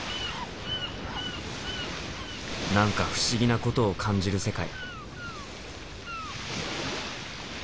何か不思議なことを感じる世界。